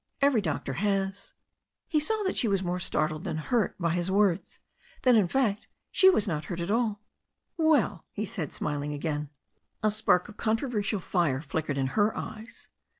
Every doc tor has." He saw that she was more startled than hurt by his words; that, in fact, she was not hurt at all. "Well," he said, smiling again. A spark of controversial fire flickered in her eyes.